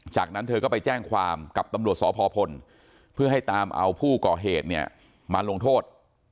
จากนั้นเธอก็ไปแจ้งความกับตำรวจสพพลเพื่อให้ตามเอาผู้ก่อเหตุเนี่ยมาลงโทษ